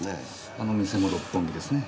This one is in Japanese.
あの店も六本木ですね？